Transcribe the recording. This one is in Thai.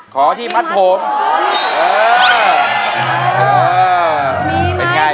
ขอที่มัดผมครับ